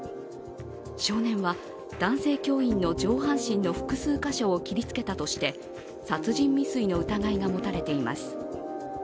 少年は男性教員の上半身の複数箇所を切りつけたとして殺人未遂の疑いが持たれています。